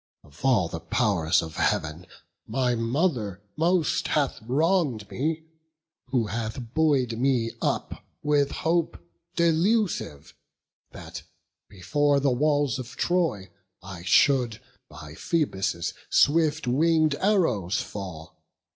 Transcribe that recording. Of all the pow'rs of Heav'n, my mother most Hath wrong'd me, who hath buoy'd me up with hope Delusive, that, before the walls of Troy, I should by Phoebus' swift wing'd arrows fall.